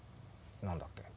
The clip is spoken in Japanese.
何だっけ？